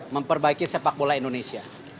memperbaiki sepak bola indonesia